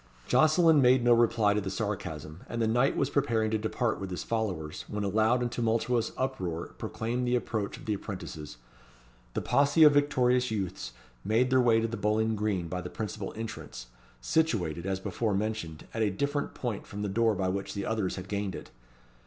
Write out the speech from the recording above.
Jocelyn made no reply to the sarcasm, and the knight was preparing to depart with his followers, when a loud and tumultuous uproar proclaimed the approach of the apprentices. The posse of victorious youths made their way to the bowling green by the principal entrance, situated, as before mentioned, at a different point from the door by which the others had gained it.